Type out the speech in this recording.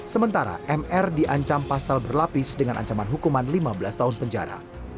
sementara mr diancam pasal berlapis dengan ancaman hukuman lima belas tahun penjara